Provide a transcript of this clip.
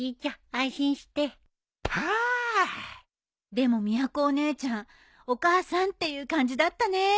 でもみやこお姉ちゃんお母さんっていう感じだったねえ。